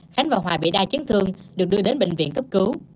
khánh và hòa bị đa chấn thương được đưa đến bệnh viện cấp cứu